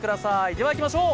ではいきましょう！